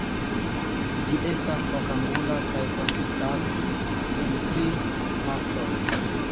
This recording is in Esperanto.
Ĝi estas okangula kaj konsistas el tri partoj.